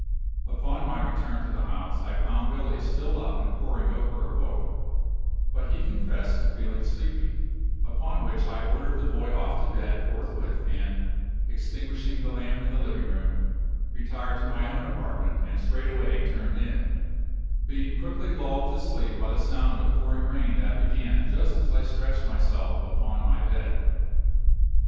Upon my return to the house I found Billy still up and poring over a book; but he confessed to feeling sleepy, upon which I ordered the boy off to bed forthwith and, extinguishing the lamp in the living room, retired to my own apartment and straightway turned in; being quickly lulled to sleep by the sound of pouring rain that began just as I stretched myself upon my bed.